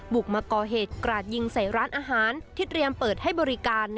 มาก่อเหตุกราดยิงใส่ร้านอาหารที่เตรียมเปิดให้บริการ